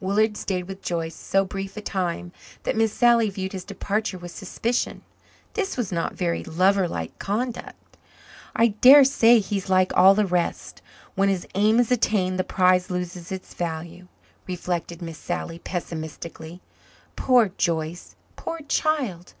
Willard stayed with Joyce so brief a time that Miss Sally viewed his departure with suspicion. This was not very lover like conduct. "I dare say he's like all the rest when his aim is attained the prize loses its value," reflected Miss Sally pessimistically. "Poor Joyce poor child!